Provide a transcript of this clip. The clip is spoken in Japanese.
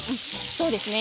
そうですね。